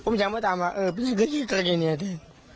มันเกินไปเนาะ